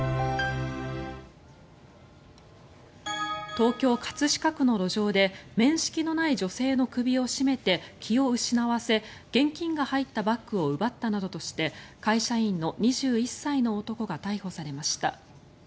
東京・葛飾区の路上で面識のない女性の首を絞めて気を失わせ現金が入ったバッグを奪ったなどとして会社員の２１歳の男が逮捕されました。